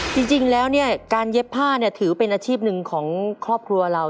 จริงแล้วการเย็บผ้าถือเป็นอาชีพหนึ่งของครอบครัวเรา